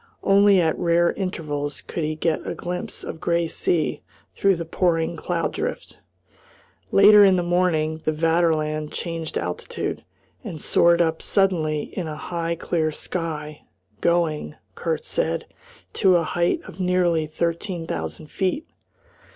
Only at rare intervals could he get a glimpse of grey sea through the pouring cloud drift. Later in the morning the Vaterland changed altitude, and soared up suddenly in a high, clear sky, going, Kurt said, to a height of nearly thirteen thousand feet.